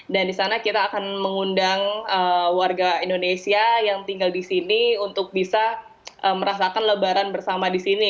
dan di sana kita akan mengundang warga indonesia yang tinggal di sini untuk bisa merasakan lebaran bersama di sini